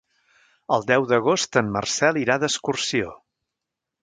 El deu d'agost en Marcel irà d'excursió.